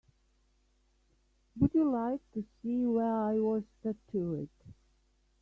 Would you like to see where I was tattooed?